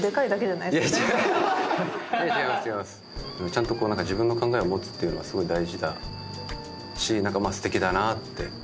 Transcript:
ちゃんとこう何か自分の考えを持つっていうのはすごい大事だし何かまあすてきだなって思いましたね。